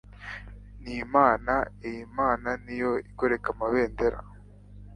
Ni Imana Iyi Mana niyo igoreka amabendera